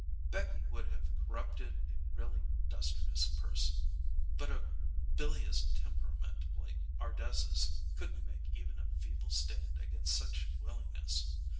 Becky would have corrupted a really industrious person, but a bilious temperament like Ardessa's couldn't make even a feeble stand against such willingness.